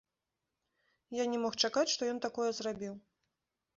Я не мог чакаць, што ён такое зрабіў.